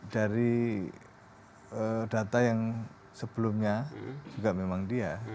dari data yang sebelumnya juga memang dia